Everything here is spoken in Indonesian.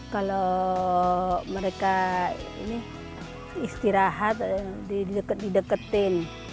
kalau mereka istirahat dideketin